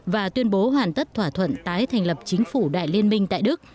và tuyên bố hoàn tất thỏa thuận tái thành lập chính phủ đại liên minh tại đức